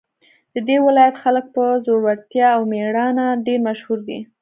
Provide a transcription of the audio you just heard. د دې ولایت خلک په زړورتیا او میړانه ډېر مشهور دي